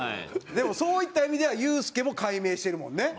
でもそういった意味ではユースケも改名してるもんね。